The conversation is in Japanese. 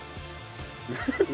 フフフ。